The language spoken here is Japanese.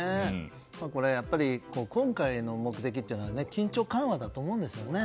やっぱり、今回の目的は緊張緩和だと思うんですよね。